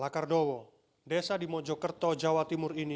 lakardowo desa di mojokerto jawa timur ini